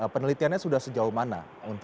penelitiannya sudah sejauh mana